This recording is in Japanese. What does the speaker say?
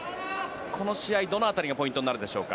この試合どの辺りがポイントになるでしょうか。